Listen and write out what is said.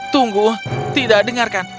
tunggu tidak dengarkan